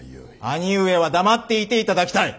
兄上は黙っていていただきたい。